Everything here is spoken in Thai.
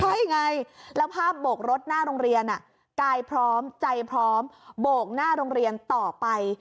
ใช่ไงแล้วภาพโบกรถหน้าโรงเรียนกายพร้อมใจพร้อมโบกหน้าโรงเรียนต่อไป